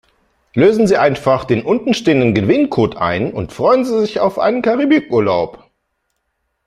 Lösen Sie einfach den unten stehenden Gewinncode ein und freuen Sie sich auf einen Karibikurlaub.